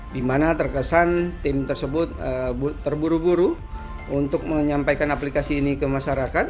di mana terkesan tim tersebut terburu buru untuk menyampaikan aplikasi ini ke masyarakat